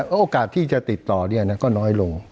โอกาสที่จะติดต่อก็น้อยลง